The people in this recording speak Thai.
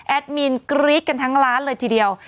มินกรี๊ดกันทั้งร้านเลยทีเดียว